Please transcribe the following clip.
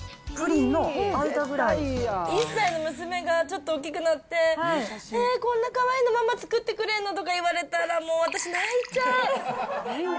１歳の娘がちょっと大きくなって、えっ、こんなかわいいの、ママ作ってくれるの？とか言われたらもう、私、泣いちゃう。